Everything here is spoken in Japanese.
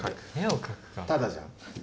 タダじゃん。